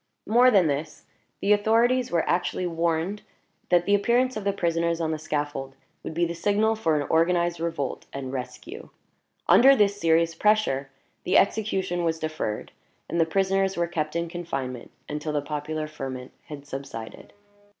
More than this, the authorities were actually warned that the appearance of the prisoners on the scaffold would be the signal for an organized revolt and rescue. Under this serious pressure, the execution was deferred, and the prisoners were kept in confinement until the popular ferment had subsided.